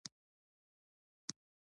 دلته لومبو وهل ځانګړى خوند درلودو.